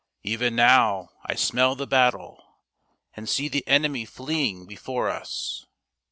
Even now I smell the battle, and see the enemy fleeing before us.